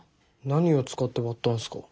何を使って割ったんすか？